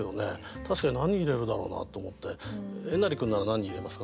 確かに何入れるだろうなと思ってえなり君なら何入れますか？